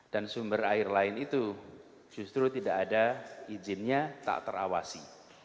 dan sumber air lain itu justru tidak ada izinnya tak terawasi